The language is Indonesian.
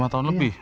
lima tahun lebih